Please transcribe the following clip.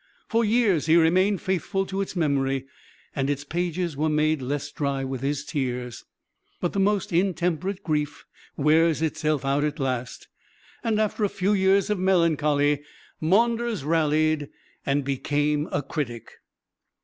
For years he remained faithful to its memory; and its pages were made less dry with his tears. But the most intemperate grief wears itself out at last; and after a few years of melancholy, Maunders rallied and became a critic. [Illustration: THE GREAT CRITIC.